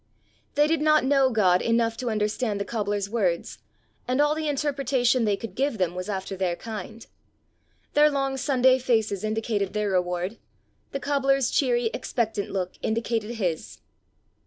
They did not know God enough to understand the cobbler's words, and all the interpretation they could give them was after their kind. Their long Sunday faces indicated their reward; the cobbler's cheery, expectant look indicated his.